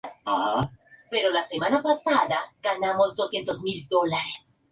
Fue enterrado en el Cementerio Westwood Village Memorial Park en Los Ángeles, California.